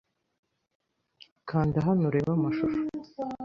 kanda hano urebe amashusho